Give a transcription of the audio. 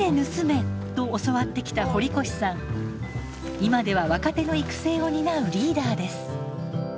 今では若手の育成を担うリーダーです。